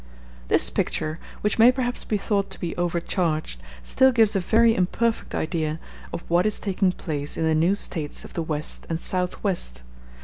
This picture, which may perhaps be thought to be overcharged, still gives a very imperfect idea of what is taking place in the new States of the West and South west.